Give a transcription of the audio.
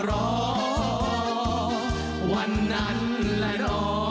รอวันนั้นและรอ